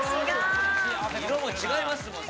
色も違いますもん。